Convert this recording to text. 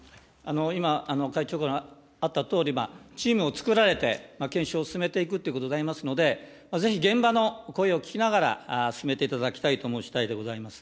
今、会長からあったとおり、チームを作られて検証を進めていくということでございますので、ぜひ現場の声を聞きながら進めていただきたいと思うしだいでございます。